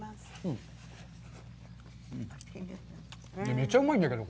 めっちゃうまいんだけど。